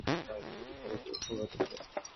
দারুণ, খুবই জনপ্রিয় সাংবাদিক সে!